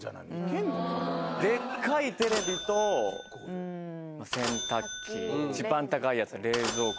でっかいテレビと洗濯機いちばん高いやつ冷蔵庫